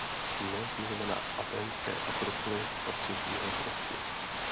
Dnes můžeme na athénské Akropoli spatřit jeho trosky.